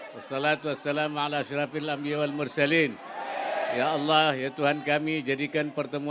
jadikanlah negara kami negara yang kau berkati